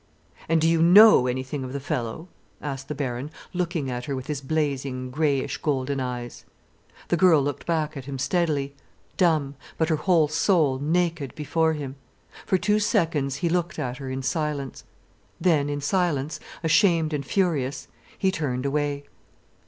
"And do you know anything of the fellow?" asked the Baron, looking at her with his blazing, greyish golden eyes. The girl looked back at him steadily, dumb, but her whole soul naked before him. For two seconds he looked at her in silence. Then in silence, ashamed and furious, he turned away.